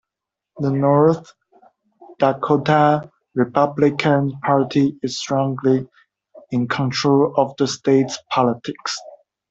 The North Dakota Republican Party is strongly in control of the state's politics.